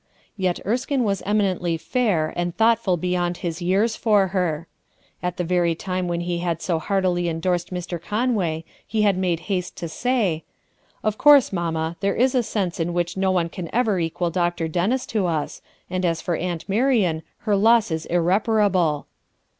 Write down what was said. Yet Erskine was eminently fair and thoughtful beyond his years for her. At the very time when he had so heartily indorsed Mr. Conway, he had made haste to say: —,■'..•...■ "Of course, mamma, there is a sense in which no one can ever equal Dr. Dennis to us, and as for Aunt Marian her loss is irreparable."